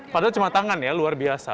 padahal cuma tangan ya luar biasa